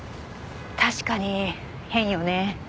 確かに変よね。